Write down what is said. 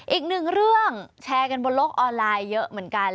อีกหนึ่งเรื่องแชร์กันบนโลกออนไลน์เยอะเหมือนกัน